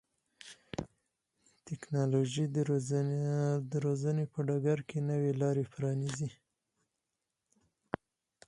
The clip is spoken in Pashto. ټکنالوژي د روزنې په ډګر کې نوې لارې پرانیزي.